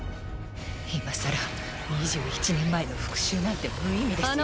今更２１年前の復讐なんて無意味ですよ。